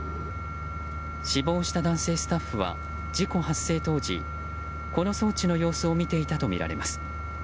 死亡した男性スタッフは事故発生当時この装置の様子を見ていたとみられます。